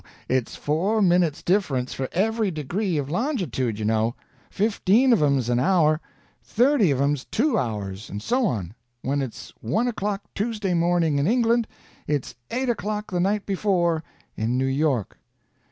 It's four minutes difference for every degree of longitude, you know. Fifteen of 'em's an hour, thirty of 'em's two hours, and so on. When it's one clock Tuesday morning in England, it's eight o'clock the night before in New York."